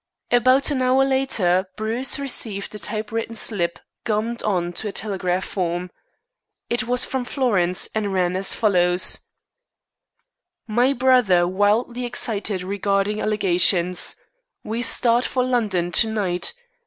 About an hour later Bruce received a typewritten slip gummed on to a telegraph form. It was from Florence, and ran as follows: "My brother wildly excited regarding allegations. We start for London to night.